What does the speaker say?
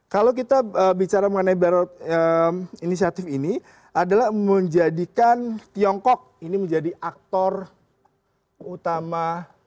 kalau kita bicara mengenai belt road inisiatif ini adalah menjadikan tiongkok menjadi aktor utama